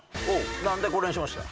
なんでこれにしました？